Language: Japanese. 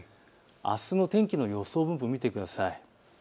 あすの天気の予想分布を見てください。